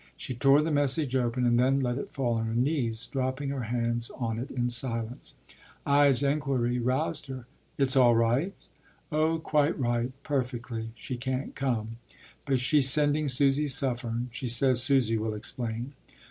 She tore the message open, and then let it fall on her knees, dropping her hands on it in silence. Ide’s enquiry roused her: “It’s all right?” “Oh, quite right. Perfectly. She can’t come; but she’s sending Susy Suffern. She says Susy will explain.